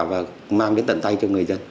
và mang đến tận tay cho người dân